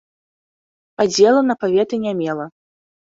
Падзелу на паветы не мела.